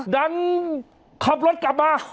ดันขับรถกลับมา